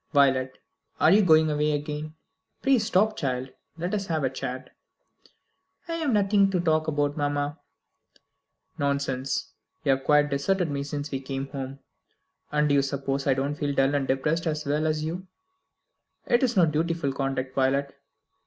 "Violet, are you going away again? Pray stop, child, and let us have a chat." "I have nothing to talk about, mamma." "Nonsense. You have quite deserted me since we came home. And do you suppose I don't feel dull and depressed as well as you? It is not dutiful conduct, Violet.